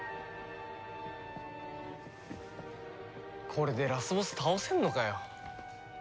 これでラスボス倒せるのかよ。